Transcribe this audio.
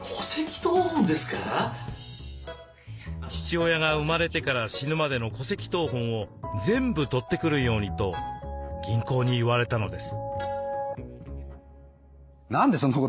父親が生まれてから死ぬまでの戸籍謄本を全部取ってくるようにと銀行に言われたのです。